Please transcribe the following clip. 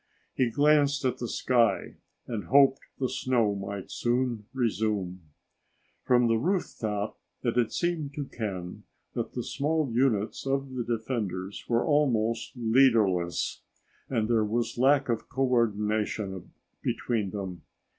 He glanced at the sky and hoped the snow might soon resume. From the rooftop, it had seemed to Ken that the small units of the defenders were almost leaderless, and there was lack of co ordination between them.